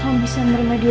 kamu bisa menerima diego